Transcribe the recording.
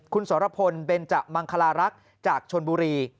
คุณสรพลเบนจมังคลารักษ์จากชนบุรี